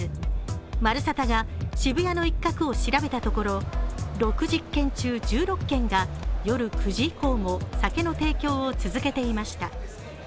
「まるサタ」が渋谷の一角を調べたところ、６０軒中１６軒が夜９時以降も酒の提供を続けていました。